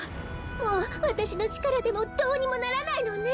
もうわたしのちからでもどうにもならないのね。